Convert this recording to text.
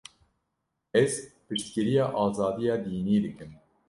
Ez piştgiriya azadiya dînî dikim.